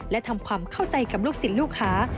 และทำความเข้าใจกับลูกศิษย์ลูกค้า